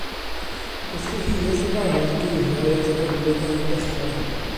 Wrthi hi y llefarodd y geiriau a ddyfynnwyd ar y dechrau.